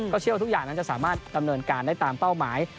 เชื่อว่าทุกอย่างนั้นจะสามารถดำเนินการได้ตามเป้าหมาย